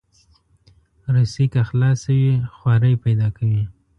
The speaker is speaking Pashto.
رسۍ که خلاصه وي، خواری پیدا کوي.